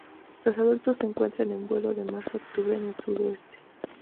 Los adultos se encuentran en vuelo de marzo a octubre en el sudoeste.